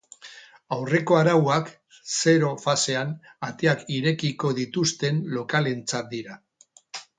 Aurreko arauak zero fasean ateak irekiko dituzten lokalentzat dira.